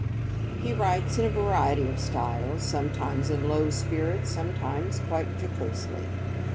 He writes in a variety of styles; sometimes in low spirits; sometimes quite jocosely.